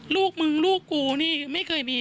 ลูกมึงลูกกูนี่ไม่เคยมี